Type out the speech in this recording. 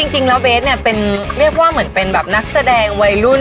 จริงแล้วเบสเนี่ยเป็นเรียกว่าเหมือนเป็นแบบนักแสดงวัยรุ่น